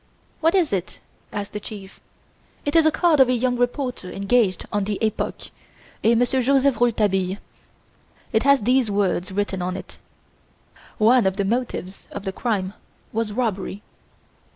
"What is it?" asked the Chief. "It's the card of a young reporter engaged on the 'Epoque,' a Monsieur Joseph Rouletabille. It has these words written on it: 'One of the motives of the crime was robbery.